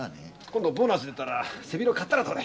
今度ボーナス出たら背広買ったらどうだい？